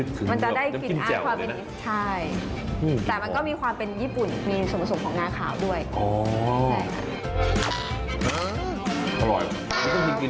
พอใส่ข้าวคั่วเข้าไป